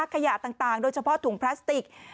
ขยะต่างโดยเฉพาะถุงพลาสติก